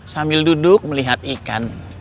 sambil duduk melihat ikan